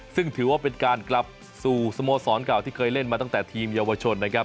ซึ่งถือว่าเป็นการกลับสู่สโมสรเก่าที่เคยเล่นมาตั้งแต่ทีมเยาวชนนะครับ